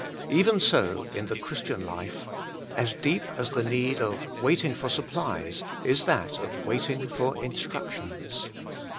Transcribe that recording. Even 80 in the Christian life: as deep as the need of waiting for supplies^ is that of waiting for instriictione.